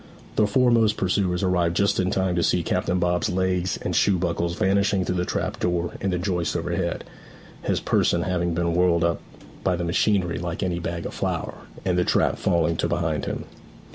The foremost pursuers arrived just in time to see Captain Bob's legs and shoe buckles vanishing through the trap door in the joists overhead, his person having been whirled up by the machinery like any bag of flour, and the trap falling to behind him.